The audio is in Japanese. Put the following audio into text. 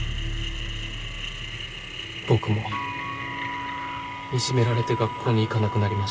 僕もいじめられて学校に行かなくなりました。